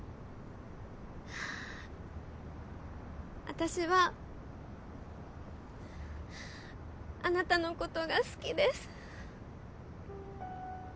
私はあなたのことが好きです。